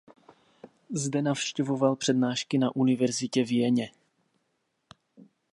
Zde navštěvoval přednášky na univerzitě v Jeně.